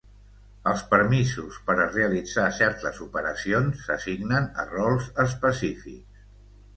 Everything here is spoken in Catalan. Els permisos per a realitzar certes operacions s'assignen a rols específics.